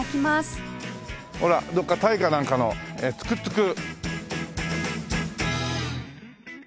ほらどっかタイかなんかのトゥクトゥク。